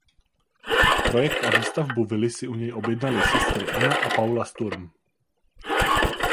Projekt a výstavbu vily si u něj objednaly sestry Anna a Paula Sturm.